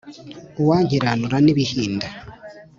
Uwankiranura n'ibihinda,